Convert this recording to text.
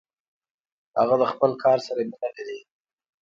هغه د خپل کار سره مینه لري.